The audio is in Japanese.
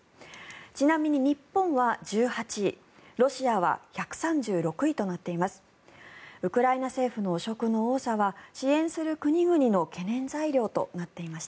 ちなみに日本は１８位ロシアは１３６位となっています。